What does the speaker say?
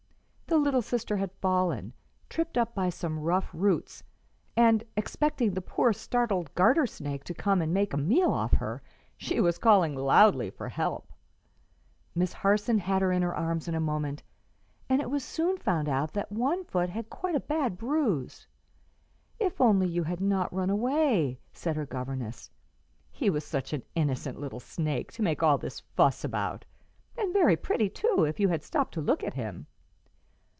The little sister had fallen, tripped up by some rough roots, and, expecting the poor startled garter snake to come and make a meal off her, she was calling loudly for help. Miss Harson had her in her arms in a moment, and it was soon found that one foot had quite a bad bruise. "If only you had not run away!" said her governess. "He was such an innocent little snake to make all this fuss about, and very pretty too, if you had stopped to look at him."